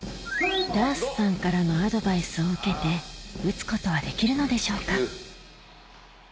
ダースさんからのアドバイスを受けて打つことはできるのでしょうか？